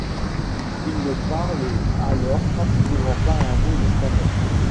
Ils ne parlent alors pratiquement pas un mot d'espagnol.